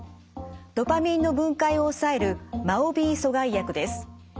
ドパミンの分解を抑えるＭＡＯーＢ阻害薬です。